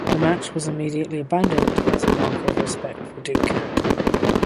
The match was immediately abandoned as a mark of respect for Ducat.